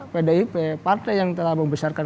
pdip partai yang telah membesarkan